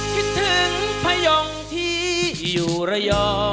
คิดถึงพยงที่อยู่ระยอง